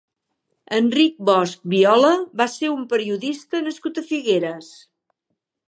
Enric Bosch Viola va ser un periodista nascut a Figueres.